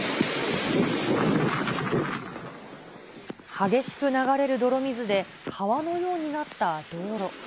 激しく流れる泥水で川のようになった道路。